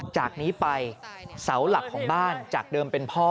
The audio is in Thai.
จากนี้ไปเสาหลักของบ้านจากเดิมเป็นพ่อ